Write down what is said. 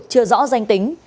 chưa rõ danh tính